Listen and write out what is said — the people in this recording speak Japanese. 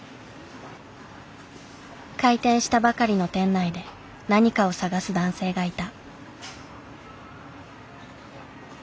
開店したばかりの店内で何かを探す男性がいた。